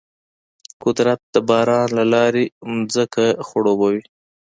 قدرت د باران له لارې ځمکه خړوبوي.